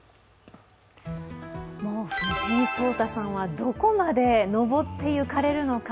もう藤井聡太さんはどこまで上っていかれるのか